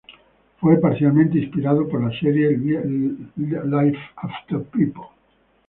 Fue parcialmente inspirado por la serie "Life After People".